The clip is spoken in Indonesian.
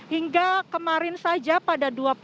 hingga kemarin saja pada dua puluh empat juli ini hari jumat